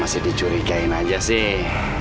masih dicurigain aja sih